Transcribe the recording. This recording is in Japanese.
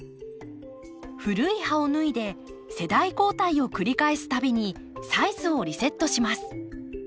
古い葉を脱いで世代交代を繰り返す度にサイズをリセットします。